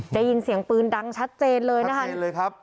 จะยินเสียงปืนดังชัดเจนเลยนะคะชัดเจนเลยครับ